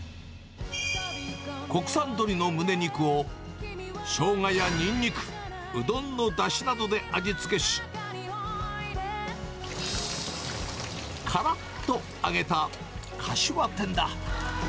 国産鶏のムネ肉を、ショウガやニンニク、うどんのだしなどで味付けし、からっと揚げたかしわ天だ。